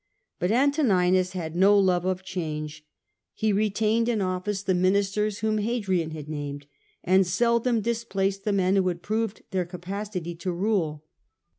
But Antoninus had no love of change ; he retained in office the ministers whom Hadrian had named, and seldom displaced the men who had proved their capacity to rule.